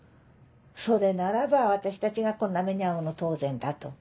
それならば私たちがこんな目に遭うのも当然だと。